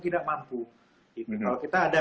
tidak mampu kalau kita ada